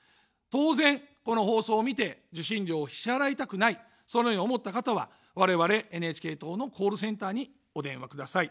当然、この放送を見て受信料を支払いたくない、そのように思った方は我々ＮＨＫ党のコールセンターにお電話ください。